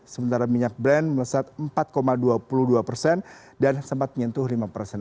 sementara minyak brand melesat empat dua puluh dua persen dan sempat menyentuh lima persen